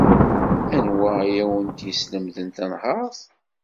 Anwa ay awent-yeslemden tanhaṛt?